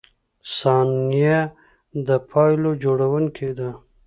• ثانیه د پایلو جوړونکی ده.